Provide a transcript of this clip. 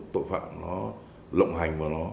tội phạm lộng hành